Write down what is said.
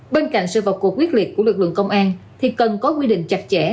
bên cạnh sự vật cuộc quyết liệt của lực lượng công an thì cần có quy định chặt chẽ